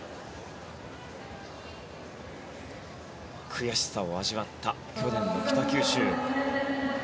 悔しさを味わった去年の北九州。